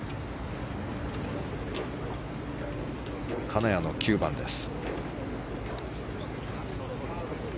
金谷の９番です。